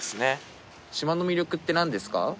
島の魅力って何ですか？